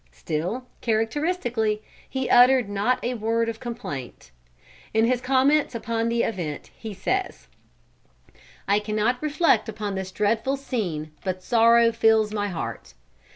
Still characteristically, he uttered not a word of complaint. In his comments upon the event he says: "I cannot reflect upon this dreadful scene but sorrow fills my heart.